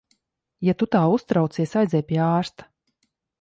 Ja tu tā uztraucies, aizej pie ārsta.